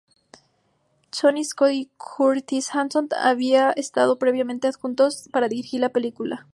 Tony Scott y Curtis Hanson habían estado previamente adjuntos para dirigir la película.